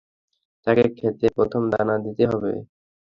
তাকে ক্ষেতে প্রথম দানা দিতে হবে।